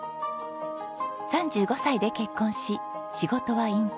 ３５歳で結婚し仕事は引退。